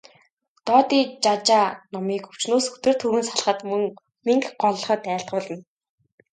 Додижажаа номыг өвчнөөс үтэр түргэн салахад, мөн мэнгэ голлоход айлтгуулна.